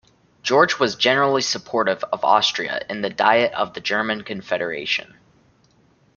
George was generally supportive of Austria in the Diet of the German Confederation.